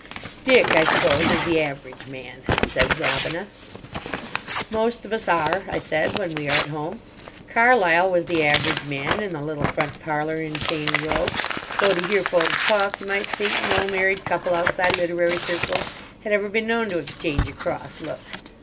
"Dick, I suppose, is the average man," said Robina. "Most of us are," I said, "when we are at home. Carlyle was the average man in the little front parlour in Cheyne Row, though, to hear fools talk, you might think no married couple outside literary circles had ever been known to exchange a cross look.